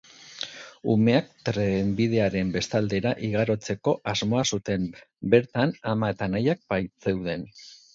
Umeak trenbidearen bestaldera igarotzeko asmoa zuen, bertan ama eta anaia baitzeuden.